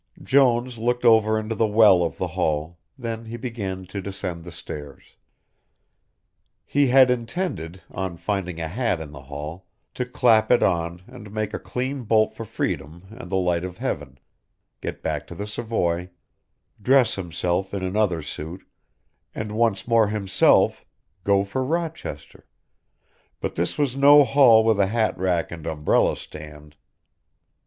Jones looked over into the well of the hall, then he began to descend the stairs. He had intended, on finding a hat in the hall, to clap it on and make a clean bolt for freedom and the light of heaven, get back to the Savoy, dress himself in another suit, and once more himself, go for Rochester, but this was no hall with a hat rack and umbrella stand.